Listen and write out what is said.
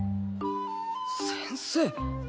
先生。